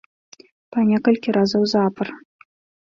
Па некалькі разоў запар.